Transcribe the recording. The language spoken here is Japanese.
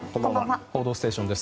「報道ステーション」です。